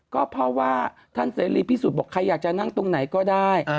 ก็เพราะว่าท่านเสรีพิสุทธิ์บอกใครอยากจะนั่งตรงไหนก็ได้